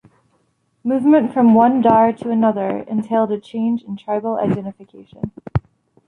Movement from one dar to another entailed a change in tribal identification.